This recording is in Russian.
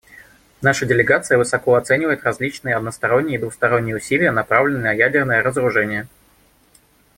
Наша делегация высоко оценивает различные односторонние и двусторонние усилия, направленные на ядерное разоружение.